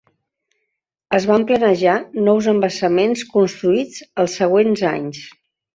Es van planejar nous embassaments construïts els següents anys.